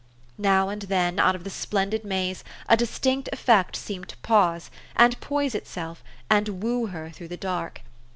" Now and then, out of the splendid maze, a distinct effect seemed to pause, and poise it self, and woo her through the dark.